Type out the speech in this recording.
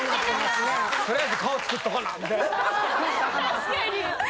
確かに。